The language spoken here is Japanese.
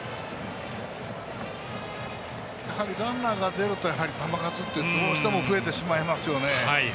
やはりランナーが出ると球数ってどうしても増えてしまいますよね。